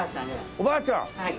おばあちゃん！